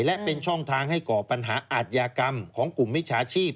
และเป็นช่องทางให้ก่อปัญหาอาทยากรรมของกลุ่มมิจฉาชีพ